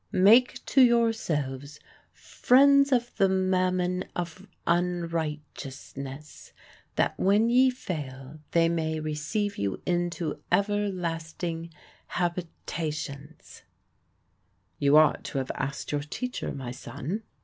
'Make to yourselves friends of the mammon of unrighteousness, that when ye fail, they may receive you into everlasting habitations.'" "You ought to have asked your teacher, my son."